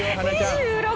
２６。